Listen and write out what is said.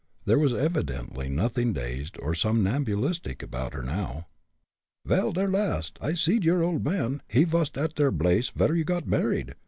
There was evidently nothing dazed or somnambulistic about her now. "Vel, der last I see'd your old man, he vas at der blace vere you got married.